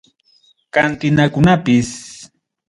Cantinakunapis.